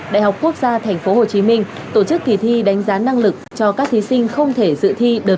đại học quốc gia thành phố hồ chí minh tổ chức kỳ thi đánh giá năng lực cho các thí sinh không thể dự thi đợt một đợt hai